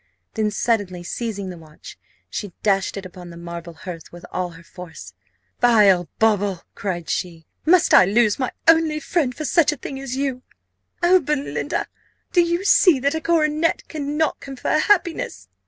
Then suddenly seizing the watch, she dashed it upon the marble hearth with all her force "Vile bauble!" cried she; "must I lose my only friend for such a thing as you? Oh, Belinda! do you see that a coronet cannot confer happiness?"